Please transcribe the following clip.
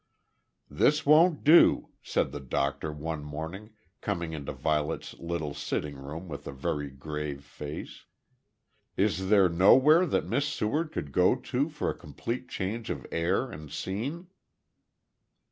"This won't do," said the doctor, one morning, coming into Violet's little sitting room with a very grave face. "Is there nowhere that Miss Seward could go to for a complete change of air and scene?"